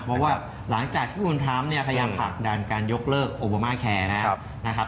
เพราะว่าหลังจากที่คุณทรัมป์เนี่ยพยายามผลักดันการยกเลิกโอบามาแคร์นะครับ